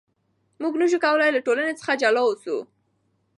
موږ نشو کولای له ټولنې څخه جلا اوسو.